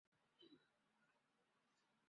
突然出现婴儿哭声